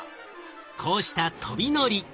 こうした飛び乗り。